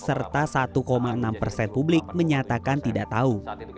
serta satu enam persen publik menyatakan tidak tahu